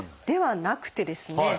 ではなくてですね